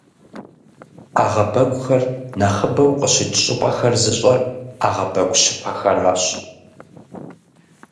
Ӏэгъэбэгухэр нэхъыбэу къыщыкӀ щӏыпӏэхэр зыщӀэр Ӏэгъэбэгу щыпэхэращ.